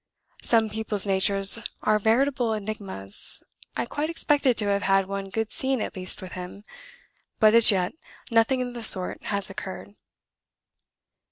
Some people's natures are veritable enigmas I quite expected to have had one good scene at least with him; but as yet nothing of the sort has occurred."